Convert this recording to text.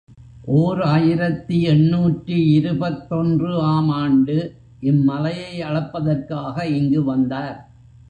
ஓர் ஆயிரத்து எண்ணூற்று இருபத்தொன்று ஆம் ஆண்டு இம் மலையை அளப்பதற்காக இங்கு வந்தார்.